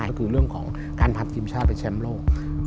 ก็คือเรื่องของการพัดทีมชาติไปแชมป์โลก